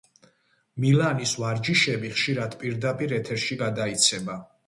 მილანის ვარჯიშები ხშირად პირდაპირ ეთერში გადაიცემა.